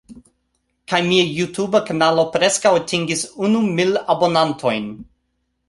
Kaj mia Jutuba kanalo preskaŭ atingis unu mil abonantojn.